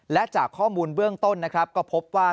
และจากข้อมูลเบื้องต้นนะครับก็พบว่า